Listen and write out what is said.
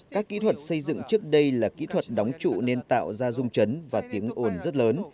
các kỹ thuật xây dựng trước đây là kỹ thuật đóng trụ nên tạo ra rung chấn và tiếng ồn rất lớn